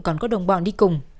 còn có đồng bọn đi cùng